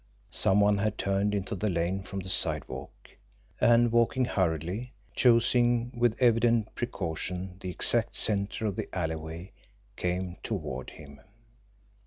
Some one had turned into the lane from the sidewalk, and, walking hurriedly, choosing with evident precaution the exact centre of the alleyway, came toward him.